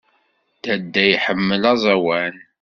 Dadda iḥemmel aẓawan.